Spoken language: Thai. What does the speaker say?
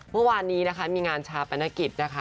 เมื่อวานนี้นะคะมีงานชาปนกิจนะคะ